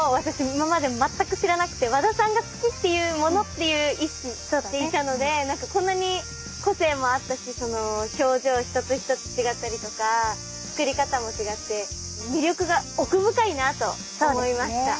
今まで全く知らなくて和田さんが好きっていうものっていう意識でいたので何かこんなに個性もあったしその表情一つ一つ違ったりとか造り方も違って魅力が奥深いなと思いました。